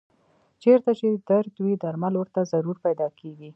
چېرته چې درد وي درمل ورته ضرور پیدا کېږي.